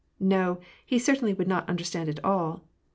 No, he certainly would not understand it all.